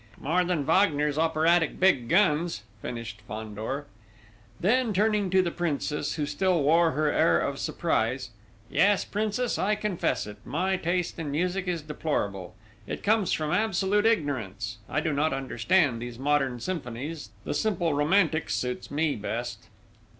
"More than Wagner's operatic big guns!" finished Fandor. Then turning to the Princess who still wore her air of surprise: "Yes, Princess, I confess it my taste in music is deplorable: it comes from absolute ignorance. I do not understand these modern symphonies the simple romantic suits me best!"